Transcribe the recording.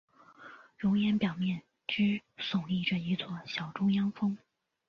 熔岩表面之上矗立着一座小中央峰。